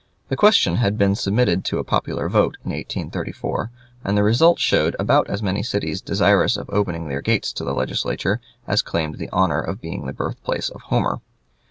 The question had been submitted to a popular vote in 1834, and the result showed about as many cities desirous of opening their gates to the Legislature as claimed the honor of being the birthplace of Homer.